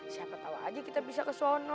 siapa tau aja kita bisa ke sono